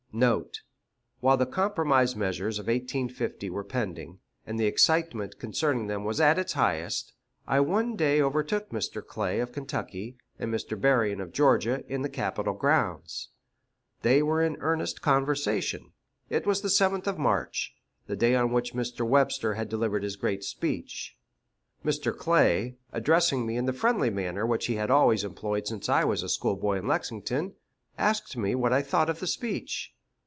Note. While the compromise measures of 1850 were pending, and the excitement concerning them was at its highest, I one day overtook Mr. Clay, of Kentucky, and Mr. Berrien, of Georgia, in the Capitol grounds. They were in earnest conversation. It was the 7th of March the day on which Mr. Webster had delivered his great speech. Mr. Clay, addressing me in the friendly manner which he had always employed since I was a schoolboy in Lexington, asked me what I thought of the speech.